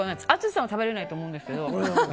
淳さんは食べられないと思うんですけど。